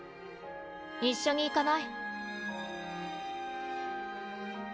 一緒に行かない？